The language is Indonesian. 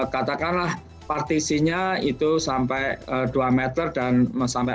katakanlah partisinya itu sampai dua meter dan sampai